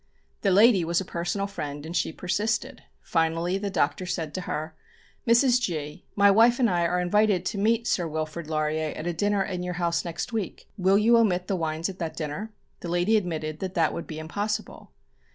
The lady was a personal friend, and she persisted. Finally the Doctor said to her: "Mrs. G , my wife and I are invited to meet Sir Wilfrid Laurier at a dinner in your house next week. Will you omit the wines at that dinner?" The lady admitted that that would be impossible.